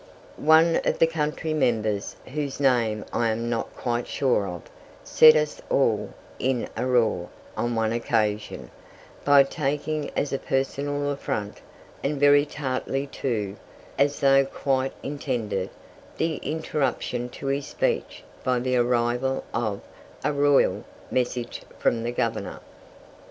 One of the country members, whose name I am now not quite sure of, set us all in a roar, on one occasion, by taking as a personal affront, and very tartly too, as though quite intended, the interruption to his speech by the arrival of a "royal" message from the Governor.